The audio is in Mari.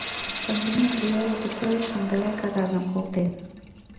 Сандене Григорий Петровичлан тыгай кагазым колтен.